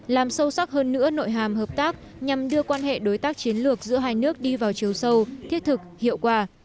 làm sâu sắc hơn nữa nội hàm hợp tác nhằm đưa quan hệ đối tác chiến lược giữa hai nước đi vào chiều sâu thiết thực hiệu quả